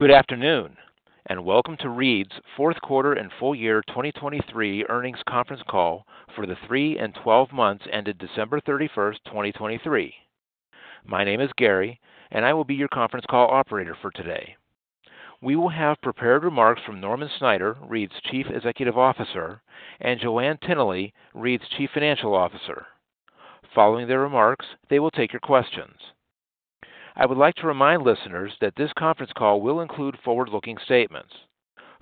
Good afternoon and welcome to Reed's fourth quarter and full year 2023 earnings conference call for the three and twelve months ended December 31, 2023. My name is Gary, and I will be your conference call operator for today. We will have prepared remarks from Norman Snyder, Reed's Chief Executive Officer, and JoAnn Tinnelly, Reed's Chief Financial Officer. Following their remarks, they will take your questions. I would like to remind listeners that this conference call will include forward-looking statements.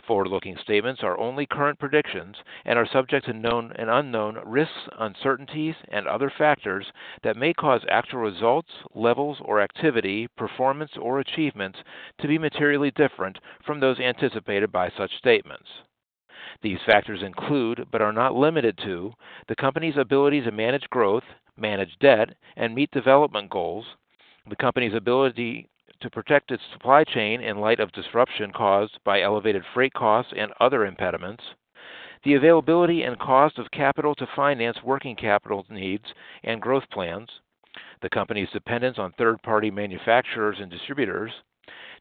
Forward-looking statements are only current predictions and are subject to known and unknown risks, uncertainties, and other factors that may cause actual results, levels, or activity, performance, or achievements to be materially different from those anticipated by such statements. These factors include but are not limited to: the company's ability to manage growth, manage debt, and meet development goals; the company's ability to protect its supply chain in light of disruption caused by elevated freight costs and other impediments; the availability and cost of capital to finance working capital needs and growth plans; the company's dependence on third-party manufacturers and distributors;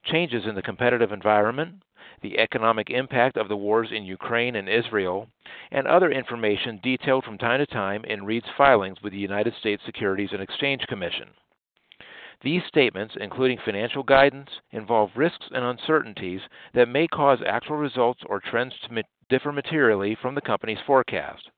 changes in the competitive environment; the economic impact of the wars in Ukraine and Israel; and other information detailed from time to time in Reed's filings with the United States Securities and Exchange Commission. These statements, including financial guidance, involve risks and uncertainties that may cause actual results or trends to differ materially from the company's forecast.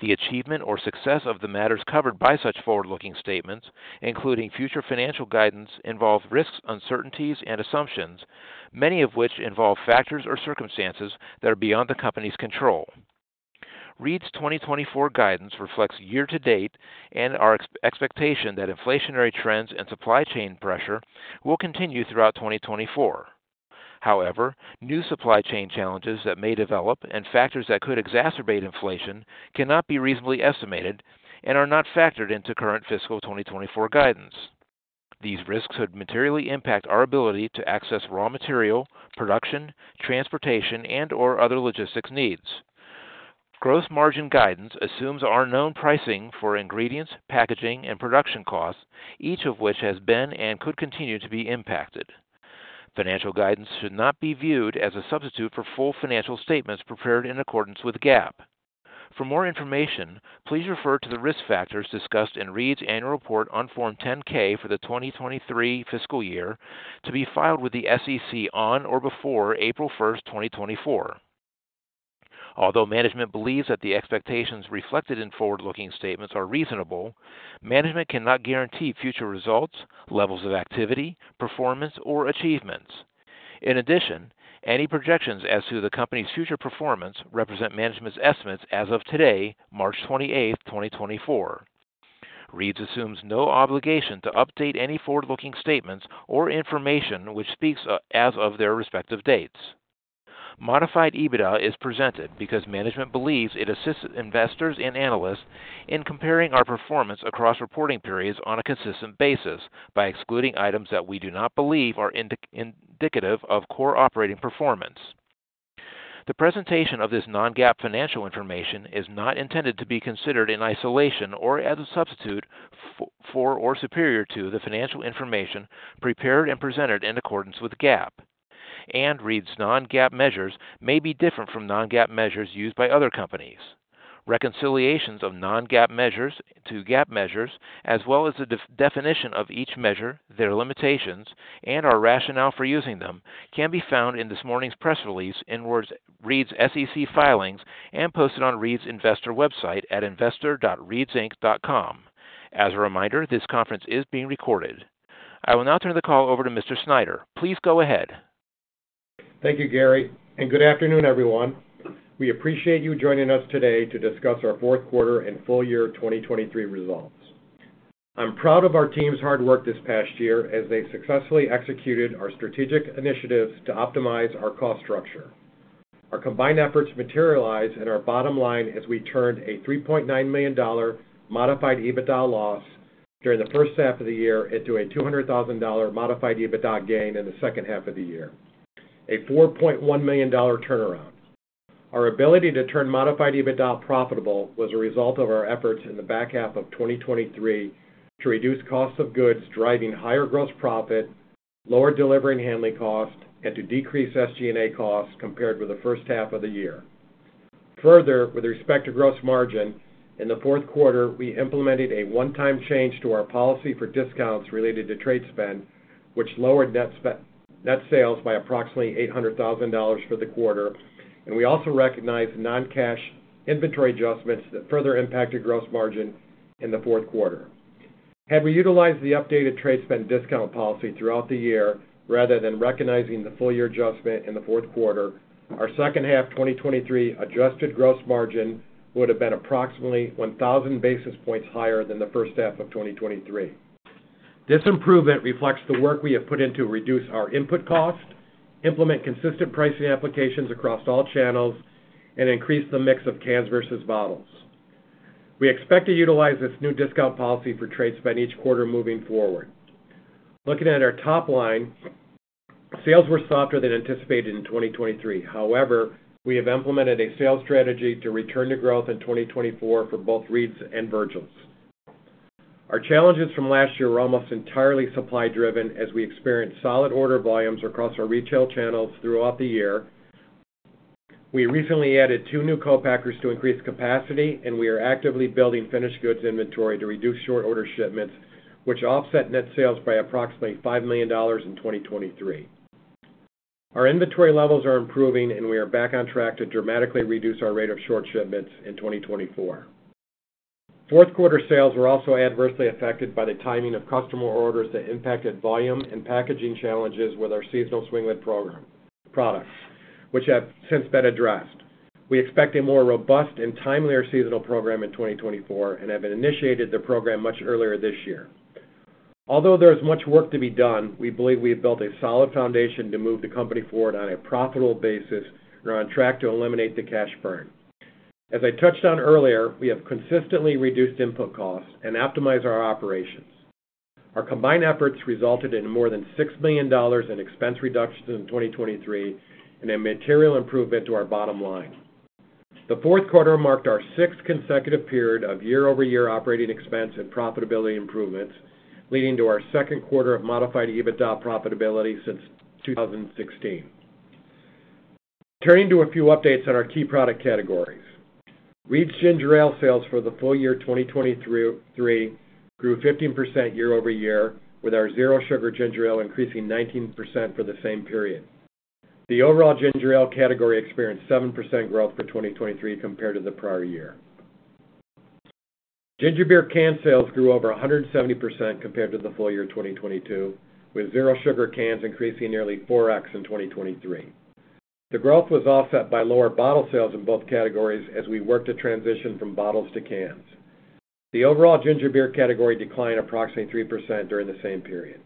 The achievement or success of the matters covered by such forward-looking statements, including future financial guidance, involve risks, uncertainties, and assumptions, many of which involve factors or circumstances that are beyond the company's control. Reed's 2024 guidance reflects year-to-date and our expectation that inflationary trends and supply chain pressure will continue throughout 2024. However, new supply chain challenges that may develop and factors that could exacerbate inflation cannot be reasonably estimated and are not factored into current fiscal 2024 guidance. These risks would materially impact our ability to access raw material, production, transportation, and/or other logistics needs. Gross margin guidance assumes our known pricing for ingredients, packaging, and production costs, each of which has been and could continue to be impacted. Financial guidance should not be viewed as a substitute for full financial statements prepared in accordance with GAAP. For more information, please refer to the risk factors discussed in Reed's annual report on Form 10-K for the 2023 fiscal year to be filed with the SEC on or before April 1, 2024. Although management believes that the expectations reflected in forward-looking statements are reasonable, management cannot guarantee future results, levels of activity, performance, or achievements. In addition, any projections as to the company's future performance represent management's estimates as of today, March 28, 2024. Reed's assumes no obligation to update any forward-looking statements or information which speaks as of their respective dates. Modified EBITDA is presented because management believes it assists investors and analysts in comparing our performance across reporting periods on a consistent basis by excluding items that we do not believe are indicative of core operating performance. The presentation of this non-GAAP financial information is not intended to be considered in isolation or as a substitute for or superior to the financial information prepared and presented in accordance with GAAP. Reed's non-GAAP measures may be different from non-GAAP measures used by other companies. Reconciliations of non-GAAP measures to GAAP measures, as well as the definition of each measure, their limitations, and our rationale for using them, can be found in this morning's press release in Reed's SEC filings and posted on Reed's investor website at investor.reedsinc.com. As a reminder, this conference is being recorded. I will now turn the call over to Mr. Snyder. Please go ahead. Thank you, Gary, and Good Afternoon, everyone. We appreciate you joining us today to discuss our fourth quarter and full year 2023 results. I'm proud of our team's hard work this past year as they successfully executed our strategic initiatives to optimize our cost structure. Our combined efforts materialized in our bottom line as we turned a $3.9 million Modified EBITDA loss during the first half of the year into a $200,000 Modified EBITDA gain in the second half of the year, a $4.1 million turnaround. Our ability to turn Modified EBITDA profitable was a result of our efforts in the back half of 2023 to reduce cost of goods driving higher gross profit, lower delivery and handling costs, and to decrease SG&A costs compared with the first half of the year. Further, with respect to gross margin, in the fourth quarter, we implemented a one-time change to our policy for discounts related to trade spend, which lowered net sales by approximately $800,000 for the quarter. We also recognized non-cash inventory adjustments that further impacted gross margin in the fourth quarter. Had we utilized the updated trade spend discount policy throughout the year rather than recognizing the full year adjustment in the fourth quarter, our second half 2023 adjusted gross margin would have been approximately 1,000 basis points higher than the first half of 2023. This improvement reflects the work we have put into reducing our input cost, implementing consistent pricing applications across all channels, and increasing the mix of cans versus bottles. We expect to utilize this new discount policy for trade spend each quarter moving forward. Looking at our top line, sales were softer than anticipated in 2023. However, we have implemented a sales strategy to return to growth in 2024 for both Reed's and Virgil's. Our challenges from last year were almost entirely supply-driven as we experienced solid order volumes across our retail channels throughout the year. We recently added two new co-packers to increase capacity, and we are actively building finished goods inventory to reduce short-order shipments, which offset net sales by approximately $5 million in 2023. Our inventory levels are improving, and we are back on track to dramatically reduce our rate of short shipments in 2024. Fourth quarter sales were also adversely affected by the timing of customer orders that impacted volume and packaging challenges with our seasonal swing-lid products, which have since been addressed. We expect a more robust and timelier seasonal program in 2024 and have initiated the program much earlier this year. Although there is much work to be done, we believe we have built a solid foundation to move the company forward on a profitable basis and are on track to eliminate the cash burn. As I touched on earlier, we have consistently reduced input costs and optimized our operations. Our combined efforts resulted in more than $6 million in expense reductions in 2023 and a material improvement to our bottom line. The fourth quarter marked our sixth consecutive period of year-over-year operating expense and profitability improvements, leading to our second quarter of Modified EBITDA profitability since 2016. Turning to a few updates on our key product categories. Reed's Ginger Ale sales for the full year 2023 grew 15% year-over-year, with our Zero Sugar Ginger Ale increasing 19% for the same period. The overall Ginger Ale category experienced 7% growth for 2023 compared to the prior year. Ginger Beer can sales grew over 170% compared to the full year 2022, with zero sugar cans increasing nearly 4x in 2023. The growth was offset by lower bottle sales in both categories as we worked to transition from bottles to cans. The overall Ginger Beer category declined approximately 3% during the same period.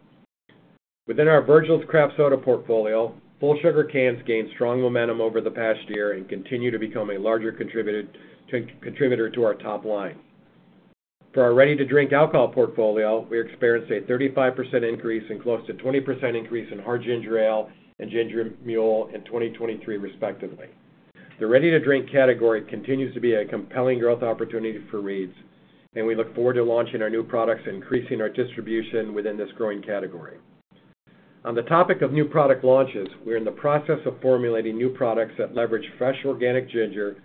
Within our Virgil's craft soda portfolio, full sugar cans gained strong momentum over the past year and continue to become a larger contributor to our top line. For our ready-to-drink alcohol portfolio, we experienced a 35% increase and close to 20% increase in Hard Ginger Ale and Ginger Mule in 2023, respectively. The ready-to-drink category continues to be a compelling growth opportunity for Reed's, and we look forward to launching our new products and increasing our distribution within this growing category. On the topic of new product launches, we're in the process of formulating new products that leverage fresh organic ginger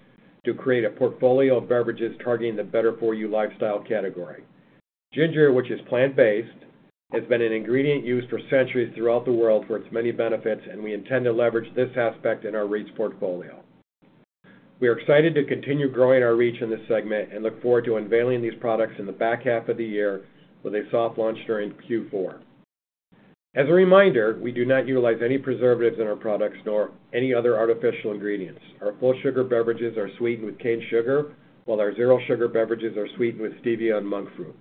to create a portfolio of beverages targeting the better-for-you lifestyle category. Ginger, which is plant-based, has been an ingredient used for centuries throughout the world for its many benefits, and we intend to leverage this aspect in our Reed's portfolio. We are excited to continue growing our reach in this segment and look forward to unveiling these products in the back half of the year with a soft launch during Q4. As a reminder, we do not utilize any preservatives in our products nor any other artificial ingredients. Our full sugar beverages are sweetened with cane sugar, while our zero sugar beverages are sweetened with stevia and monk fruit.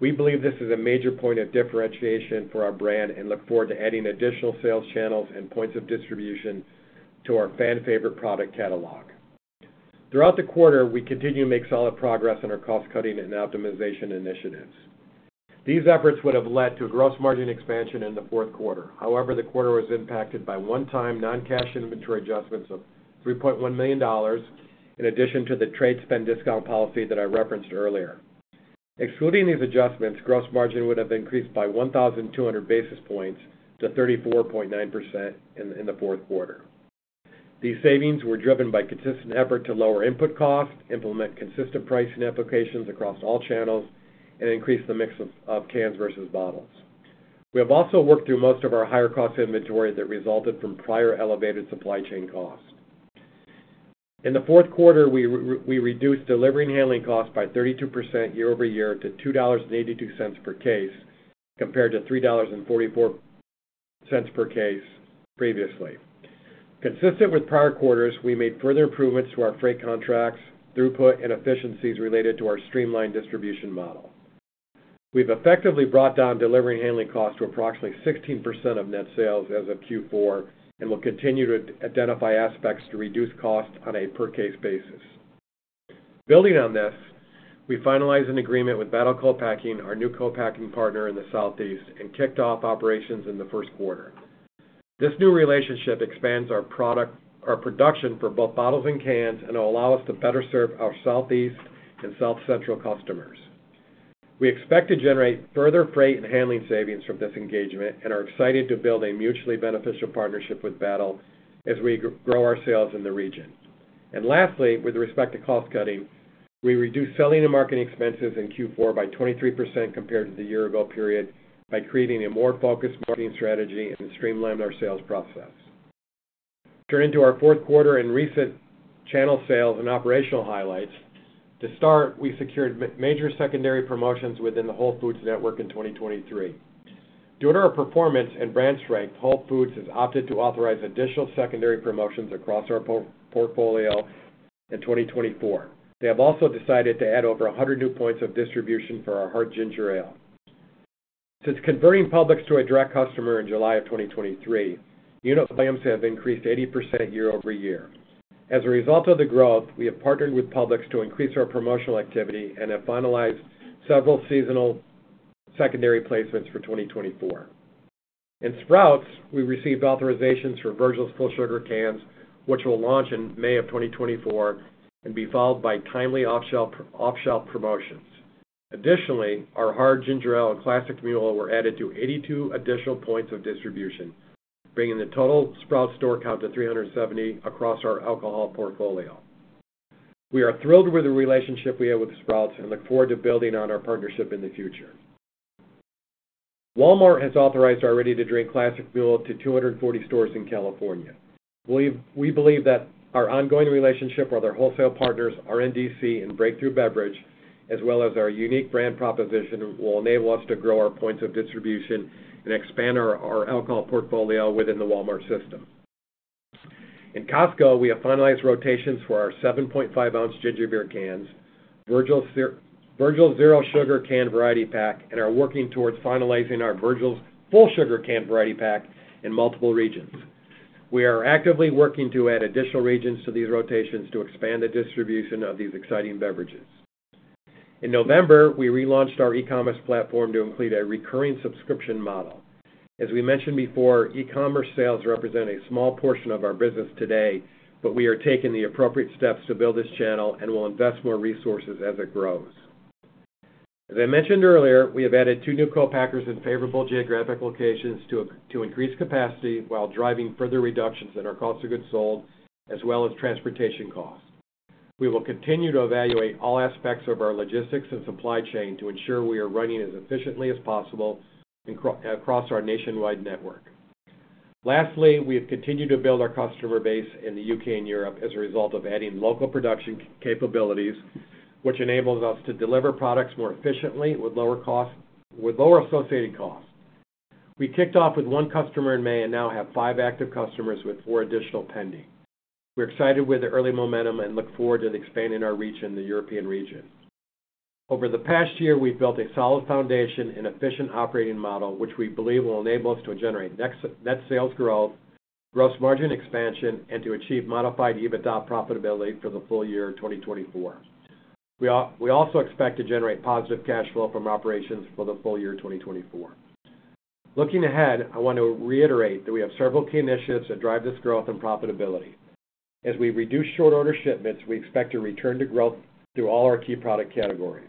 We believe this is a major point of differentiation for our brand and look forward to adding additional sales channels and points of distribution to our fan-favorite product catalog. Throughout the quarter, we continue to make solid progress on our cost-cutting and optimization initiatives. These efforts would have led to a gross margin expansion in the fourth quarter. However, the quarter was impacted by one-time non-cash inventory adjustments of $3.1 million in addition to the trade spend discount policy that I referenced earlier. Excluding these adjustments, gross margin would have increased by 1,200 basis points to 34.9% in the fourth quarter. These savings were driven by consistent effort to lower input costs, implement consistent pricing applications across all channels, and increase the mix of cans versus bottles. We have also worked through most of our higher-cost inventory that resulted from prior elevated supply chain costs. In the fourth quarter, we reduced delivery and handling costs by 32% year-over-year to $2.82 per case compared to $3.44 per case previously. Consistent with prior quarters, we made further improvements to our freight contracts, throughput, and efficiencies related to our streamlined distribution model. We've effectively brought down delivery and handling costs to approximately 16% of net sales as of Q4 and will continue to identify aspects to reduce costs on a per-case basis. Building on this, we finalized an agreement with Battle Copacking, our new co-packing partner in the Southeast, and kicked off operations in the first quarter. This new relationship expands our production for both bottles and cans and will allow us to better serve our Southeast and South Central customers. We expect to generate further freight and handling savings from this engagement and are excited to build a mutually beneficial partnership with Battle as we grow our sales in the region. Lastly, with respect to cost-cutting, we reduce selling and marketing expenses in Q4 by 23% compared to the year-ago period by creating a more focused marketing strategy and streamlined our sales process. Turning to our fourth quarter and recent channel sales and operational highlights, to start, we secured major secondary promotions within the Whole Foods network in 2023. Due to our performance and brand strength, Whole Foods has opted to authorize additional secondary promotions across our portfolio in 2024. They have also decided to add over 100 new points of distribution for our hard ginger ale. Since converting Publix to a direct customer in July of 2023, unit volumes have increased 80% year-over-year. As a result of the growth, we have partnered with Publix to increase our promotional activity and have finalized several seasonal secondary placements for 2024. In Sprouts, we received authorizations for Virgil's Full Sugar cans, which will launch in May of 2024 and be followed by timely off-shelf promotions. Additionally, our hard ginger ale and classic mule were added to 82 additional points of distribution, bringing the total Sprouts store count to 370 across our alcohol portfolio. We are thrilled with the relationship we have with Sprouts and look forward to building on our partnership in the future. Walmart has authorized our ready-to-drink classic mule to 240 stores in California. We believe that our ongoing relationship with our wholesale partners, RNDC and Breakthru Beverage, as well as our unique brand proposition, will enable us to grow our points of distribution and expand our alcohol portfolio within the Walmart system. In Costco, we have finalized rotations for our 7.5-ounce ginger beer cans, Virgil's Zero Sugar can variety pack, and are working towards finalizing our Virgil's Full Sugar can variety pack in multiple regions. We are actively working to add additional regions to these rotations to expand the distribution of these exciting beverages. In November, we relaunched our e-commerce platform to include a recurring subscription model. As we mentioned before, e-commerce sales represent a small portion of our business today, but we are taking the appropriate steps to build this channel and will invest more resources as it grows. As I mentioned earlier, we have added two new co-packers in favorable geographic locations to increase capacity while driving further reductions in our cost of goods sold, as well as transportation costs. We will continue to evaluate all aspects of our logistics and supply chain to ensure we are running as efficiently as possible across our nationwide network. Lastly, we have continued to build our customer base in the U.K. and Europe as a result of adding local production capabilities, which enables us to deliver products more efficiently with lower associated costs. We kicked off with one customer in May and now have five active customers with four additional pending. We're excited with the early momentum and look forward to expanding our reach in the European region. Over the past year, we've built a solid foundation and efficient operating model, which we believe will enable us to generate net sales growth, gross margin expansion, and to achieve Modified EBITDA profitability for the full year 2024. We also expect to generate positive cash flow from operations for the full year 2024. Looking ahead, I want to reiterate that we have several key initiatives that drive this growth and profitability. As we reduce short-order shipments, we expect to return to growth through all our key product categories.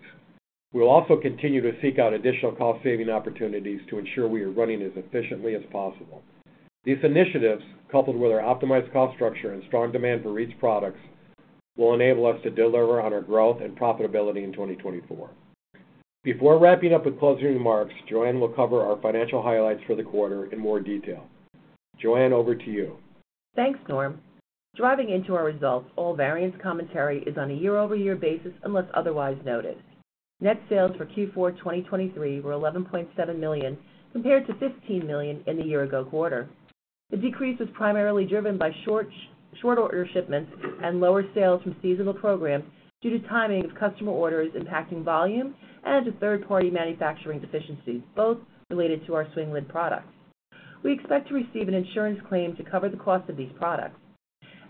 We will also continue to seek out additional cost-saving opportunities to ensure we are running as efficiently as possible. These initiatives, coupled with our optimized cost structure and strong demand for Reed's products, will enable us to deliver on our growth and profitability in 2024. Before wrapping up with closing remarks, JoAnn will cover our financial highlights for the quarter in more detail. JoAnn, over to you. Thanks, Norm. Diving into our results, all variance commentary is on a year-over-year basis unless otherwise noted. Net sales for Q4 2023 were $11.7 million compared to $15 million in the year-ago quarter. The decrease was primarily driven by short-order shipments and lower sales from seasonal programs due to timing of customer orders impacting volume and to third-party manufacturing deficiencies, both related to our swing-lid products. We expect to receive an insurance claim to cover the cost of these products.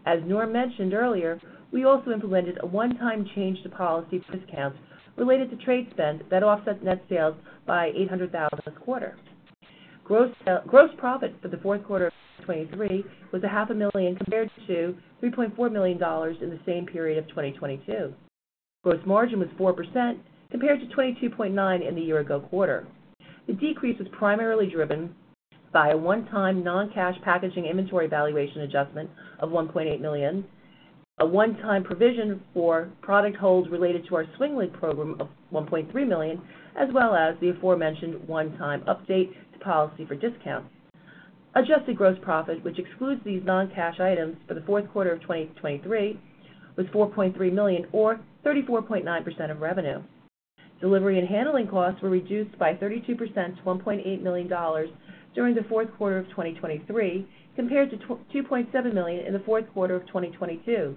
As Norm mentioned earlier, we also implemented a one-time change to policy discounts related to trade spend that offset net sales by $800,000 this quarter. Gross profit for the fourth quarter of 2023 was $500,000 compared to $3.4 million in the same period of 2022. Gross margin was 4% compared to 22.9% in the year-ago quarter. The decrease was primarily driven by a one-time non-cash packaging inventory valuation adjustment of $1.8 million, a one-time provision for product holds related to our swing-lid program of $1.3 million, as well as the aforementioned one-time update to policy for discounts. Adjusted gross profit, which excludes these non-cash items for the fourth quarter of 2023, was $4.3 million or 34.9% of revenue. Delivery and handling costs were reduced by 32% to $1.8 million during the fourth quarter of 2023 compared to $2.7 million in the fourth quarter of 2022.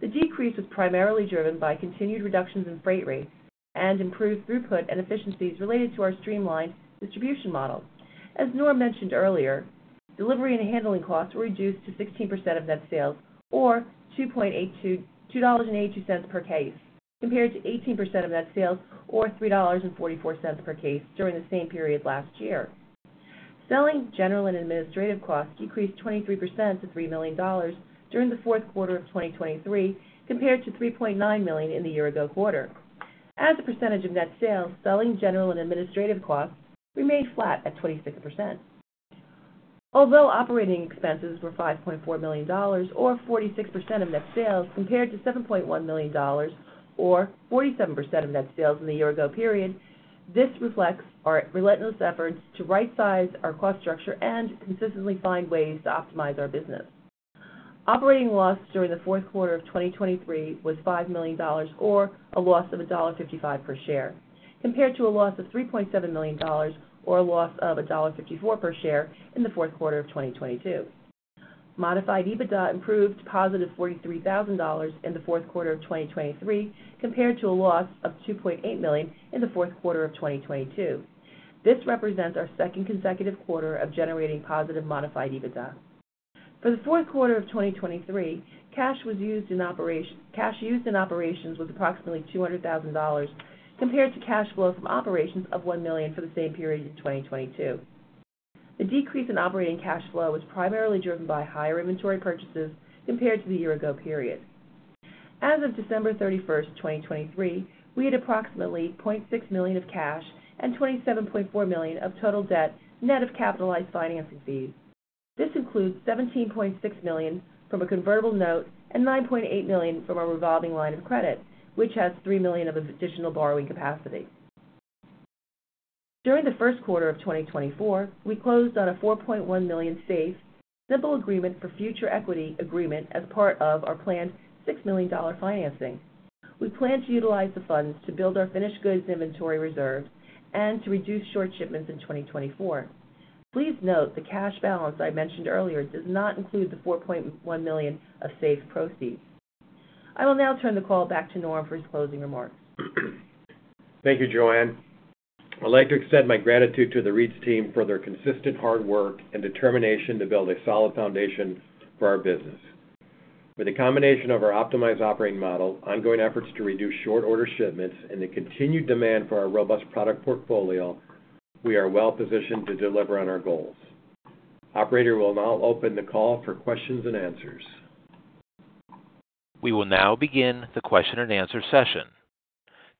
The decrease was primarily driven by continued reductions in freight rates and improved throughput and efficiencies related to our streamlined distribution model. As Norm mentioned earlier, delivery and handling costs were reduced to 16% of net sales or $2.82 per case compared to 18% of net sales or $3.44 per case during the same period last year. Selling, general, and administrative costs decreased 23% to $3 million during the fourth quarter of 2023 compared to $3.9 million in the year-ago quarter. As a percentage of net sales, selling, general, and administrative costs remained flat at 26%. Although operating expenses were $5.4 million or 46% of net sales compared to $7.1 million or 47% of net sales in the year-ago period, this reflects our relentless efforts to right-size our cost structure and consistently find ways to optimize our business. Operating loss during the fourth quarter of 2023 was $5 million or a loss of $1.55 per share compared to a loss of $3.7 million or a loss of $1.54 per share in the fourth quarter of 2022. Modified EBITDA improved to positive $43,000 in the fourth quarter of 2023 compared to a loss of $2.8 million in the fourth quarter of 2022. This represents our second consecutive quarter of generating positive modified EBITDA. For the fourth quarter of 2023, cash used in operations was approximately $200,000 compared to cash flow from operations of $1 million for the same period in 2022. The decrease in operating cash flow was primarily driven by higher inventory purchases compared to the year-ago period. As of December 31st, 2023, we had approximately $0.6 million of cash and $27.4 million of total debt net of capitalized financing fees. This includes $17.6 million from a convertible note and $9.8 million from our revolving line of credit, which has $3 million of additional borrowing capacity. During the first quarter of 2024, we closed on a $4.1 million SAFE, simple agreement for future equity agreement as part of our planned $6 million financing. We plan to utilize the funds to build our finished goods inventory reserves and to reduce short shipments in 2024. Please note the cash balance I mentioned earlier does not include the $4.1 million of SAFE proceeds. I will now turn the call back to Norm for his closing remarks. Thank you, JoAnn. I'd like to extend my gratitude to the Reed's team for their consistent hard work and determination to build a solid foundation for our business. With the combination of our optimized operating model, ongoing efforts to reduce short-order shipments, and the continued demand for our robust product portfolio, we are well positioned to deliver on our goals. Operator will now open the call for questions and answers. We will now begin the question-and-answer session.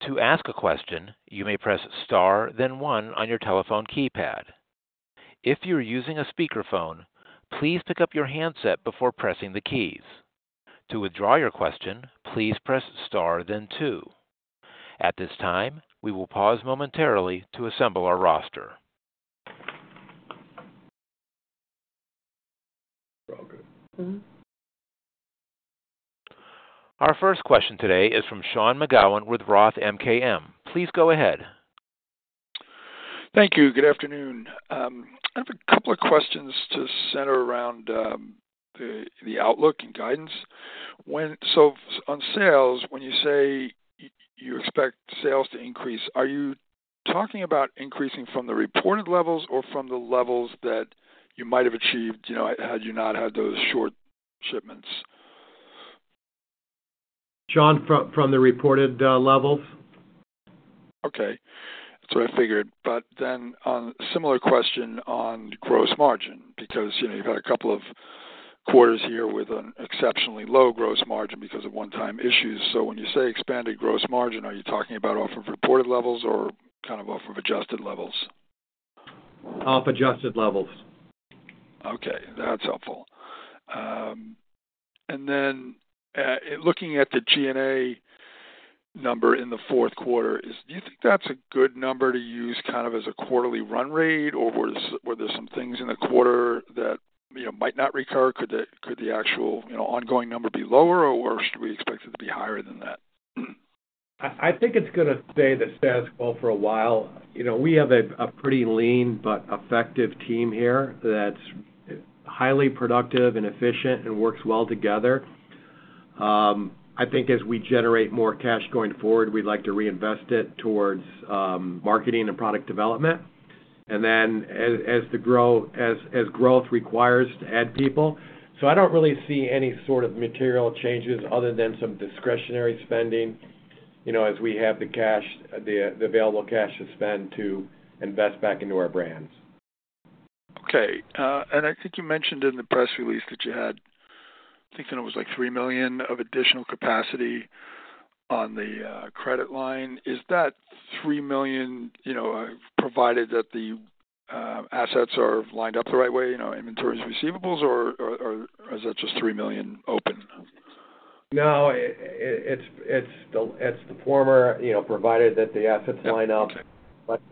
To ask a question, you may press star, then oneon your telephone keypad. If you are using a speakerphone, please pick up your handset before pressing the keys. To withdraw your question, please press star, then two. At this time, we will pause momentarily to assemble our roster. We're all good. Our first question today is from Sean McGowan with Roth MKM. Please go ahead. Thank you. Good afternoon. I have a couple of questions to center around the outlook and guidance. So on sales, when you say you expect sales to increase, are you talking about increasing from the reported levels or from the levels that you might have achieved had you not had those short shipments? Sean, from the reported levels. Okay. That's what I figured. But then a similar question on gross margin because you've had a couple of quarters here with an exceptionally low gross margin because of one-time issues. So when you say expanded gross margin, are you talking about off of reported levels or kind of off of adjusted levels? Off adjusted levels. Okay. That's helpful. And then looking at the G&A number in the fourth quarter, do you think that's a good number to use kind of as a quarterly run rate, or were there some things in the quarter that might not recur? Could the actual ongoing number be lower, or should we expect it to be higher than that? I think it's good to say that. SG&A low for a while. We have a pretty lean but effective team here that's highly productive and efficient and works well together. I think as we generate more cash going forward, we'd like to reinvest it towards marketing and product development and then as growth requires to add people. So I don't really see any sort of material changes other than some discretionary spending as we have the available cash to spend to invest back into our brands. Okay. And I think you mentioned in the press release that you had I think then it was like $3 million of additional capacity on the credit line. Is that $3 million provided that the assets are lined up the right way, inventory is receivables, or is that just $3 million open? No. It's the former, provided that the assets line up. But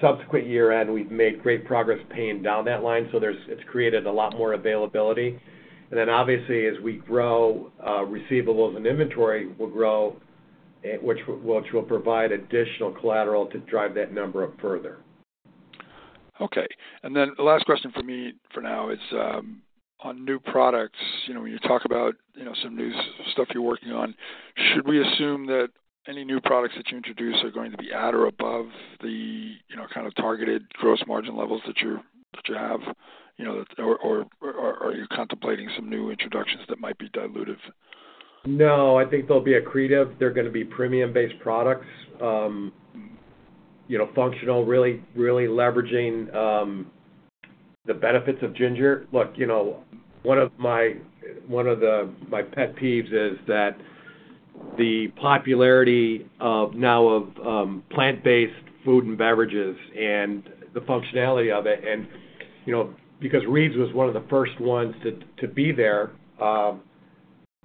subsequent to year-end, we've made great progress paying down that line, so it's created a lot more availability. And then obviously, as we grow, receivables and inventory will grow, which will provide additional collateral to drive that number up further. Okay. And then the last question for me for now is on new products, when you talk about some new stuff you're working on, should we assume that any new products that you introduce are going to be at or above the kind of targeted gross margin levels that you have, or are you contemplating some new introductions that might be dilutive? No. I think they'll be accretive. They're going to be premium-based products, functional, really leveraging the benefits of ginger. Look, one of my pet peeves is that the popularity now of plant-based food and beverages and the functionality of it. And because Reed's was one of the first ones to be there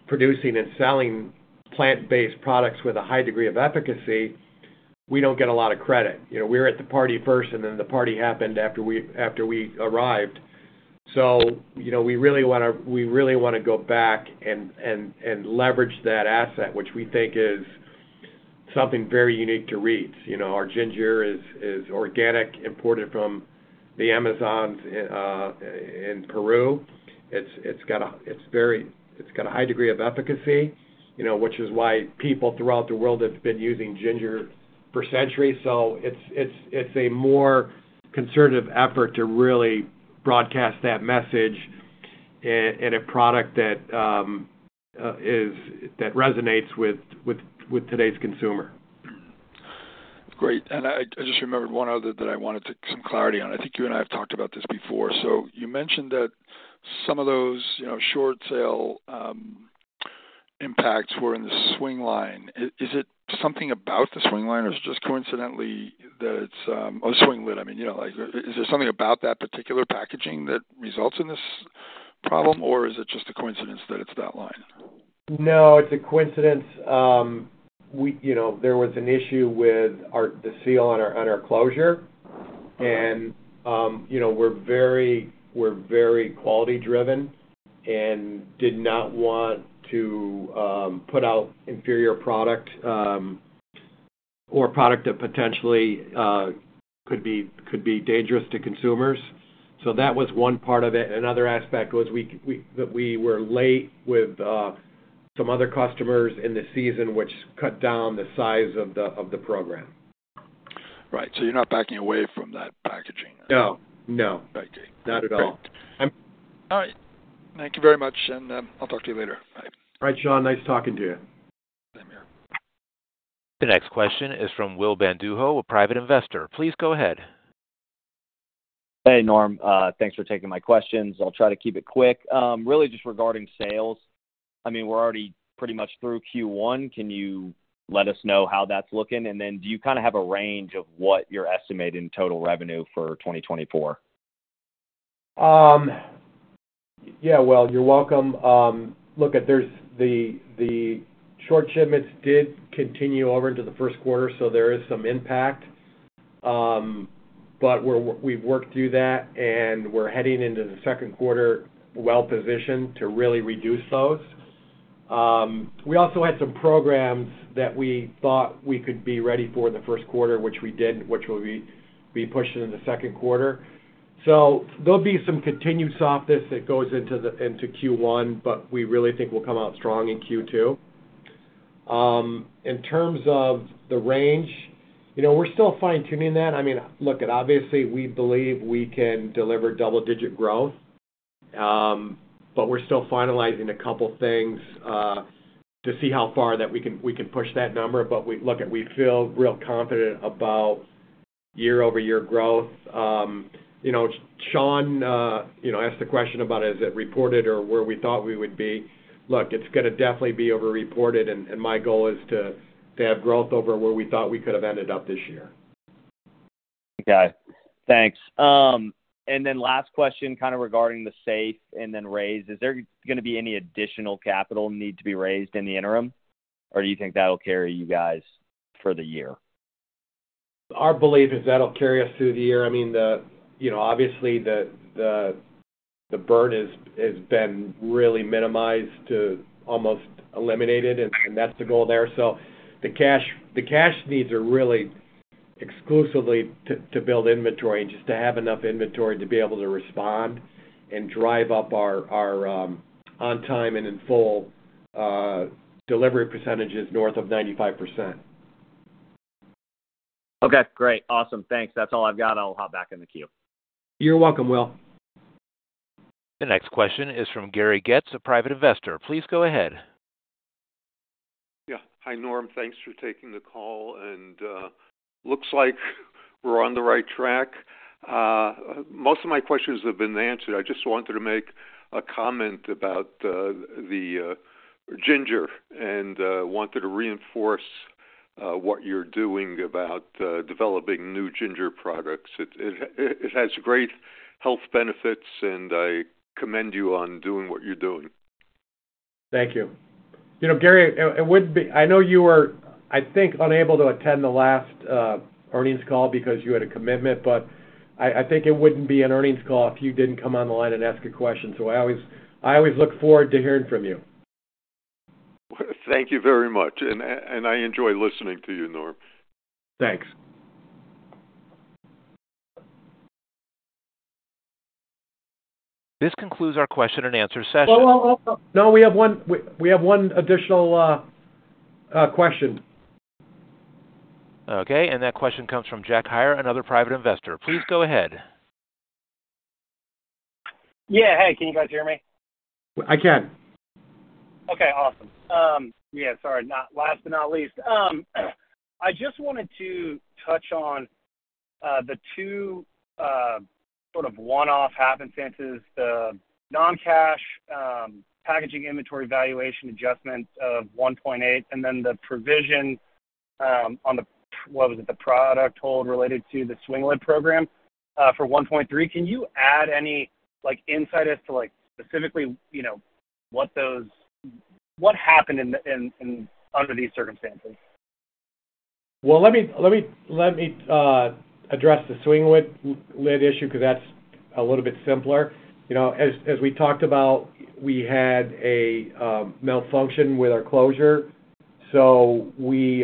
producing and selling plant-based products with a high degree of efficacy, we don't get a lot of credit. We were at the party first, and then the party happened after we arrived. So we really want to we really want to go back and leverage that asset, which we think is something very unique to Reed's. Our ginger is organic, imported from the Amazon in Peru. It's got a high degree of efficacy, which is why people throughout the world have been using ginger for centuries. It's a more conservative effort to really broadcast that message in a product that resonates with today's consumer. That's great. And I just remembered one other that I wanted some clarity on. I think you and I have talked about this before. So you mentioned that some of those short-order impacts were in the swing-lid line. Is it something about the swing-lid line, or is it just coincidentally that it's oh, swing-lid. I mean, is there something about that particular packaging that results in this problem, or is it just a coincidence that it's that line? No. It's a coincidence. There was an issue with the seal on our closure. We're very quality-driven and did not want to put out inferior product or product that potentially could be dangerous to consumers. So that was one part of it. Another aspect was that we were late with some other customers in the season, which cut down the size of the program. Right. So you're not backing away from that packaging. No. No. Not at all. All right. Thank you very much, and I'll talk to you later. Bye. All right, Sean. Nice talking to you. Same here. The next question is from Will Bandujo, a private investor. Please go ahead. Hey, Norm. Thanks for taking my questions. I'll try to keep it quick. Really just regarding sales, I mean, we're already pretty much through Q1. Can you let us know how that's looking? And then do you kind of have a range of what you're estimating total revenue for 2024? Yeah. Well, you're welcome. Look, the short shipments did continue over into the first quarter, so there is some impact. But we've worked through that, and we're heading into the second quarter well positioned to really reduce those. We also had some programs that we thought we could be ready for in the first quarter, which we did, which will be pushed into the second quarter. So there'll be some continued softness that goes into Q1, but we really think we'll come out strong in Q2. In terms of the range, we're still fine-tuning that. I mean, look, obviously, we believe we can deliver double-digit growth, but we're still finalizing a couple of things to see how far that we can push that number. But look, we feel real confident about year-over-year growth. Sean asked a question about, "Is it reported or where we thought we would be?" Look, it's going to definitely be over-reported, and my goal is to have growth over where we thought we could have ended up this year. Got it. Thanks. And then last question kind of regarding the safe and then raise. Is there going to be any additional capital need to be raised in the interim, or do you think that'll carry you guys for the year? Our belief is that'll carry us through the year. I mean, obviously, the burn has been really minimized to almost eliminated, and that's the goal there. So the cash needs are really exclusively to build inventory and just to have enough inventory to be able to respond and drive up our on-time and in full delivery percentages north of 95%. Okay. Great. Awesome. Thanks. That's all I've got. I'll hop back in the queue. You're welcome, Will. The next question is from Gary Getz, a private investor. Please go ahead. Yeah. Hi, Norm. Thanks for taking the call, and looks like we're on the right track. Most of my questions have been answered. I just wanted to make a comment about the ginger and wanted to reinforce what you're doing about developing new ginger products. It has great health benefits, and I commend you on doing what you're doing. Thank you. Gary, it wouldn't be. I know you were, I think, unable to attend the last earnings call because you had a commitment, but I think it wouldn't be an earnings call if you didn't come on the line and ask a question. So I always look forward to hearing from you. Thank you very much. I enjoy listening to you, Norm. Thanks. This concludes our question-and-answer session. Oh, oh, oh, oh. No, we have one additional question. Okay. That question comes from Jack Heyer, another private investor. Please go ahead. Yeah. Hey. Can you guys hear me? I can. Okay. Awesome. Yeah. Sorry. Last but not least, I just wanted to touch on the two sort of one-off happenstances, the non-cash packaging inventory valuation adjustment of $1.8 million and then the provision on the what was it? The product hold related to the swing-lid program for $1.3 million. Can you add any insight as to specifically what happened under these circumstances? Well, let me address the swing-lid issue because that's a little bit simpler. As we talked about, we had a malfunction with our closure, so we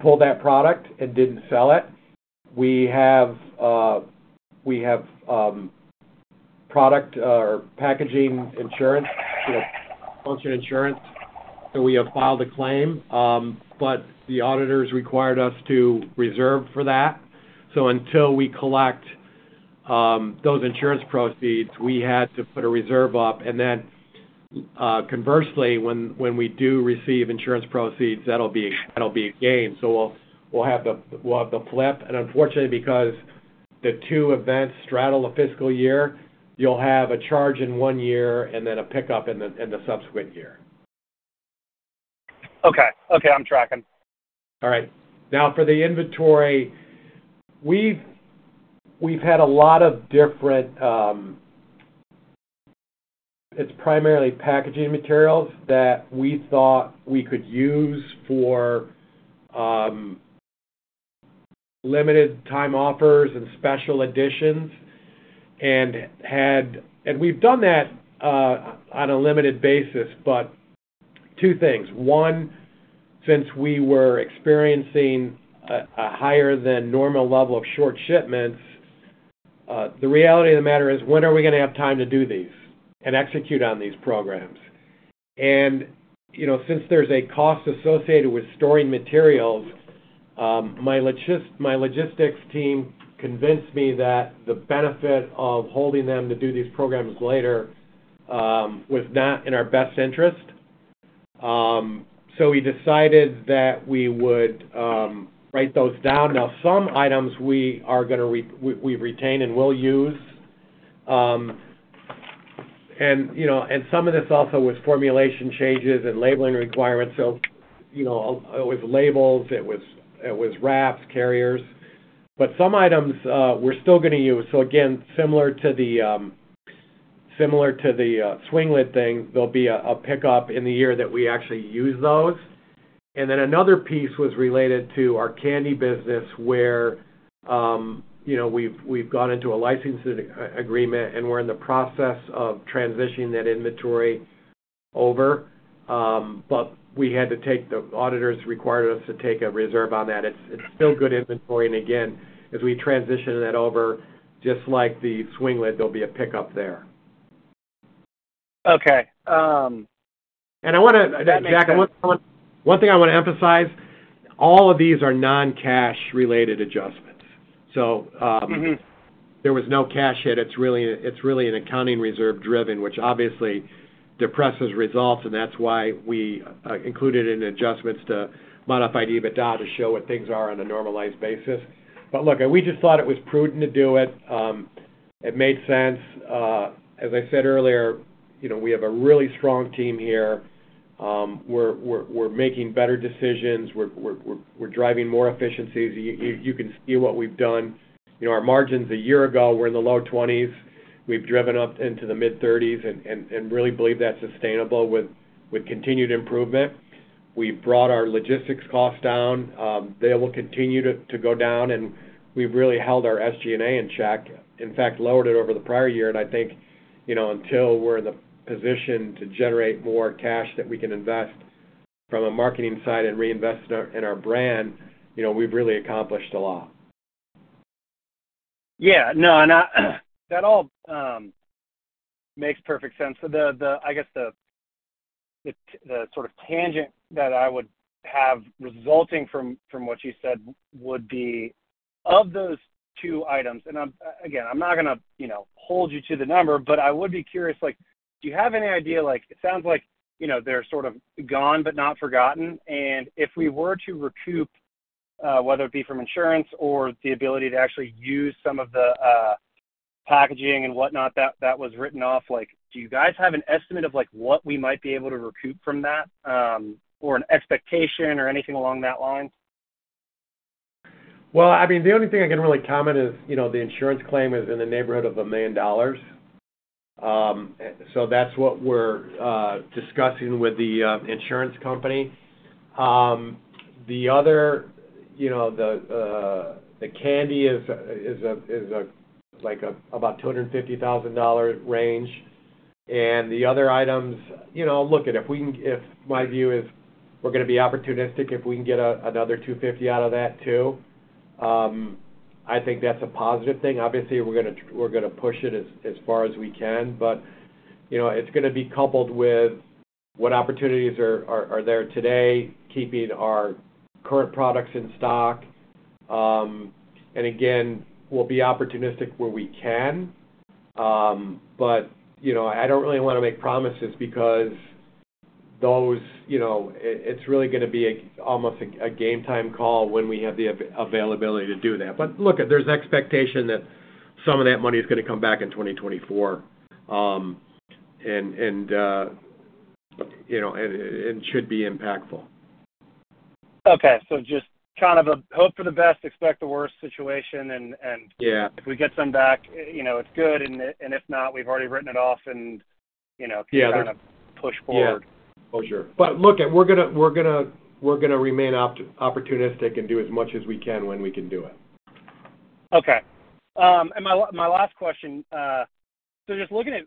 pulled that product and didn't sell it. We have product or packaging insurance, function insurance, so we have filed a claim, but the auditors required us to reserve for that. So until we collect those insurance proceeds, we had to put a reserve up. And then conversely, when we do receive insurance proceeds, that'll be a gain. So we'll have the flip. And unfortunately, because the two events straddle a fiscal year, you'll have a charge in one year and then a pickup in the subsequent year. Okay. Okay. I'm tracking. All right. Now, for the inventory, we've had a lot of different, it's primarily packaging materials that we thought we could use for limited-time offers and special editions. We've done that on a limited basis, but two things. One, since we were experiencing a higher-than-normal level of short shipments, the reality of the matter is, when are we going to have time to do these and execute on these programs? And since there's a cost associated with storing materials, my logistics team convinced me that the benefit of holding them to do these programs later was not in our best interest. So we decided that we would write those down. Now, some items we've retained and will use. Some of this also was formulation changes and labeling requirements. It was labels. It was wraps, carriers. But some items we're still going to use. So again, similar to the swing-lid thing, there'll be a pickup in the year that we actually use those. And then another piece was related to our candy business where we've gone into a licensing agreement, and we're in the process of transitioning that inventory over. But we had to take the auditors required us to take a reserve on that. It's still good inventory. And again, as we transition that over, just like the swing-lid, there'll be a pickup there. Okay. And I want to, Jack, one thing I want to emphasize, all of these are non-cash-related adjustments. So there was no cash yet. It's really an accounting reserve-driven, which obviously depresses results, and that's why we included it in adjustments to Modified EBITDA to show what things are on a normalized basis. But look, we just thought it was prudent to do it. It made sense. As I said earlier, we have a really strong team here. We're making better decisions. We're driving more efficiencies. You can see what we've done. Our margins a year ago, we're in the low 20s. We've driven up into the mid-30s and really believe that's sustainable with continued improvement. We've brought our logistics costs down. They will continue to go down, and we've really held our SG&A in check. In fact, lowered it over the prior year. I think until we're in the position to generate more cash that we can invest from a marketing side and reinvest in our brand, we've really accomplished a lot. Yeah. No. And that all makes perfect sense. So I guess the sort of tangent that I would have resulting from what you said would be of those two items and again, I'm not going to hold you to the number, but I would be curious. Do you have any idea? It sounds like they're sort of gone but not forgotten. And if we were to recoup, whether it be from insurance or the ability to actually use some of the packaging and whatnot that was written off, do you guys have an estimate of what we might be able to recoup from that or an expectation or anything along that line? Well, I mean, the only thing I can really comment is the insurance claim is in the neighborhood of $1 million. So that's what we're discussing with the insurance company. The other, the candy is about $250,000 range. And the other items, look, if my view is we're going to be opportunistic, if we can get another $250,000 out of that too, I think that's a positive thing. Obviously, we're going to push it as far as we can, but it's going to be coupled with what opportunities are there today, keeping our current products in stock. And again, we'll be opportunistic where we can, but I don't really want to make promises because those it's really going to be almost a game-time call when we have the availability to do that. But look, there's expectation that some of that money is going to come back in 2024 and should be impactful. Okay. Just kind of a hope for the best, expect the worst situation, and if we get some back, it's good. If not, we've already written it off and can kind of push forward. Yeah. For sure. But look, we're going to remain opportunistic and do as much as we can when we can do it. Okay. And my last question, so just looking at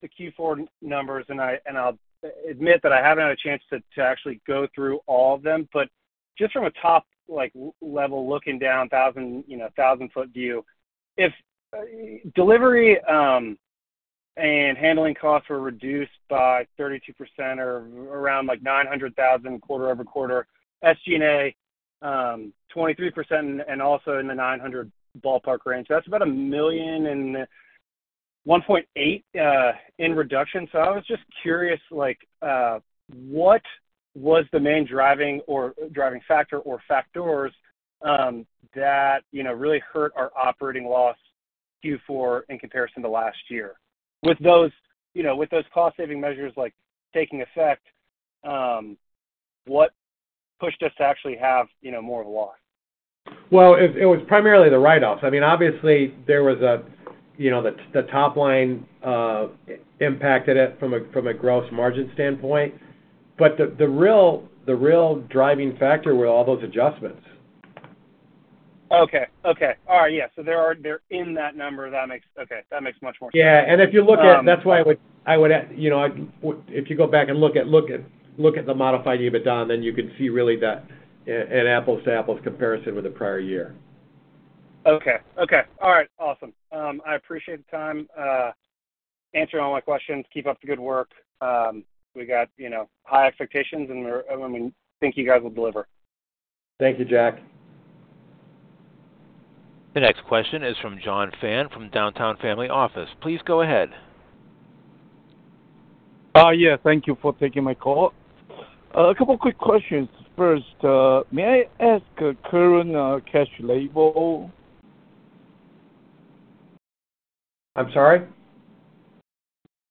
the Q4 numbers, and I'll admit that I haven't had a chance to actually go through all of them, but just from a top-level looking down, 1,000-foot view, if delivery and handling costs were reduced by 32% or around $900,000 quarter-over-quarter, SG&A 23% and also in the $900,000 ballpark range, that's about $1 million and $1.8 million in reduction. So I was just curious, what was the main driving factor or factors that really hurt our operating loss Q4 in comparison to last year? With those cost-saving measures taking effect, what pushed us to actually have more of a loss? Well, it was primarily the write-offs. I mean, obviously, there was the top line impacted it from a gross margin standpoint, but the real driving factor were all those adjustments. Okay. Okay. All right. Yeah. So they're in that number. Okay. That makes much more sense. Yeah. And if you look at that's why I would if you go back and look at the Modified EBITDA, Don, then you can see really that an apples-to-apples comparison with the prior year. Okay. Okay. All right. Awesome. I appreciate the time. Answered all my questions. Keep up the good work. We got high expectations, and we think you guys will deliver. Thank you, Jack. The next question is from John Fan from Downtown Family Office. Please go ahead. Yeah. Thank you for taking my call. A couple of quick questions. First, may I ask current cash balance? I'm sorry?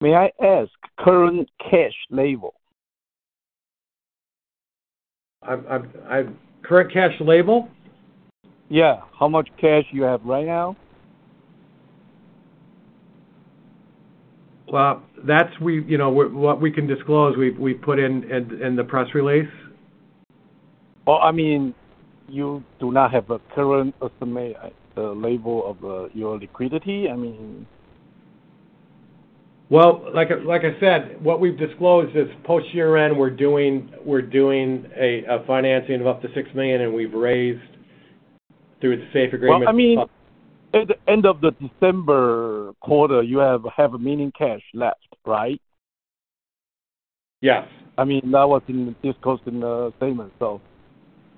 May I ask current cash balance? Current cash label? Yeah. How much cash you have right now? Well, that's what we can disclose. We've put in the press release. Well, I mean, you do not have a current estimate label of your liquidity? I mean. Well, like I said, what we've disclosed is post-year-end, we're doing a financing of up to $6 million, and we've raised through the safe agreement. Well, I mean, at the end of the December quarter, you have a minimum cash left, right? Yes. I mean, that was discussed in the statement, so.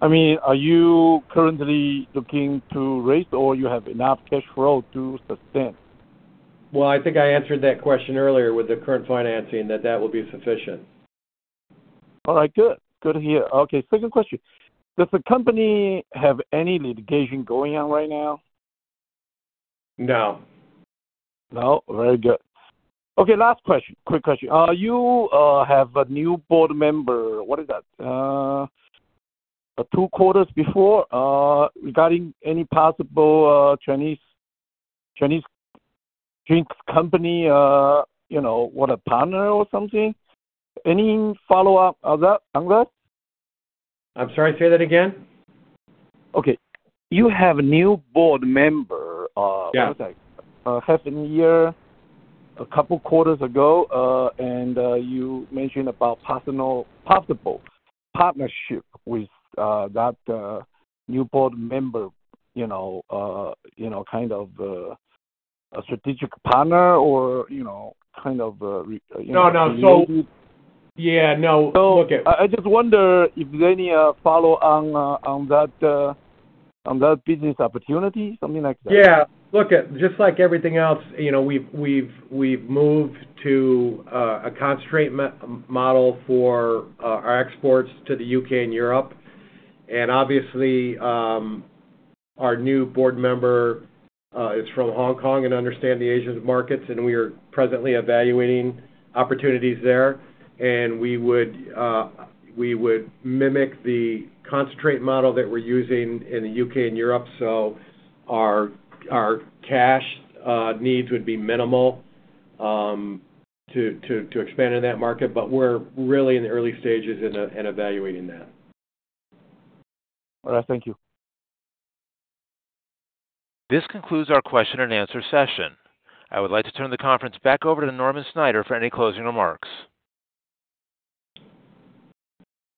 I mean, are you currently looking to raise, or you have enough cash flow to sustain? Well, I think I answered that question earlier with the current financing, that that will be sufficient. All right. Good. Good to hear. Okay. Second question. Does the company have any litigation going on right now? No. No? Very good. Okay. Last question, quick question. You have a new board member - what is that? - two quarters before regarding any possible Chinese drinks company, what a partner or something. Any follow-up on that? I'm sorry. Say that again. Okay. You have a new board member - what was that? - half a year, a couple of quarters ago, and you mentioned about possible partnership with that new board member, kind of a strategic partner or kind of a related. No, no. So. Yeah. No. Look at. I just wonder if there's any follow-on on that business opportunity, something like that. Yeah. Look, just like everything else, we've moved to a concentrate model for our exports to the U.K. and Europe. And obviously, our new board member is from Hong Kong and understands the Asian markets, and we are presently evaluating opportunities there. And we would mimic the concentrate model that we're using in the U.K. and Europe, so our cash needs would be minimal to expand in that market. But we're really in the early stages in evaluating that. All right. Thank you. This concludes our question-and-answer session. I would like to turn the conference back over to Norman Snyder for any closing remarks.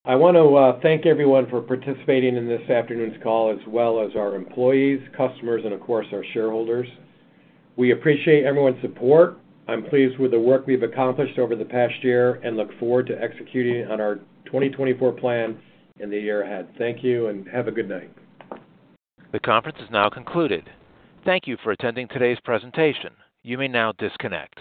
I want to thank everyone for participating in this afternoon's call, as well as our employees, customers, and, of course, our shareholders. We appreciate everyone's support. I'm pleased with the work we've accomplished over the past year and look forward to executing it on our 2024 plan and the year ahead. Thank you, and have a good night. The conference is now concluded. Thank you for attending today's presentation. You may now disconnect.